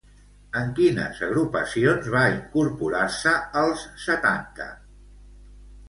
En quines agrupacions va incorporar-se als setanta?